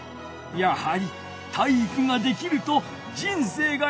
やはり体育ができると人生がより楽しくなる！